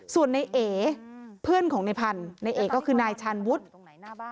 ส่วนในเอกเพื่อนของในพันธ์ในเอกก็คือนายชานวุฒิ